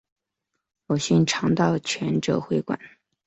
鲁迅常到全浙会馆。